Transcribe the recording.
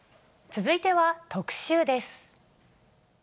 続いては特集です。